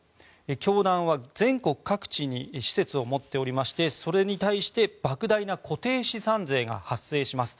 教団は全国各地に施設を持っておりましてそれに対して莫大な固定資産税が発生します。